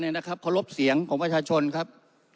เนี้ยนะครับเค้ารบเสียงของประชาชนครับ